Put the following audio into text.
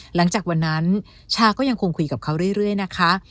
หลังจากวันนั้นชาก็ยังคงคุยกับเขาเรื่อยนะคะ